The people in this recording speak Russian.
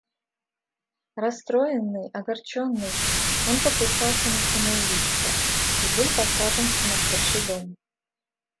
Растроенный, огорченный, он покушался на самоубийство и был посажен в сумашедший дом.